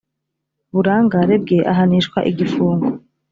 burangare bwe ahanishwa igifungo